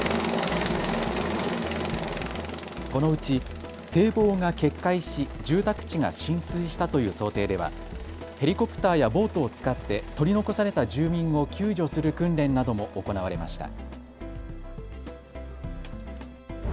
このうち堤防が決壊し住宅地が浸水したという想定ではヘリコプターやボートを使って取り残された住民を救助する訓練なども行われました。